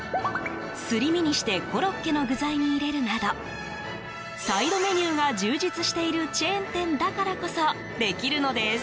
すり身にしてコロッケの具材に入れるなどサイドメニューが充実しているチェーン店だからこそできるのです。